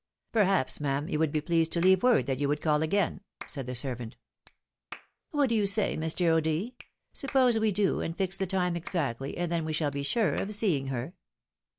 " Perhaps, ma'am, you would be pleased to leave word that you would call again," said the servant. " What do you say, Mr. O'D. ? Suppose we do, and fix the time exactly, and then we shall be sure of seeing her."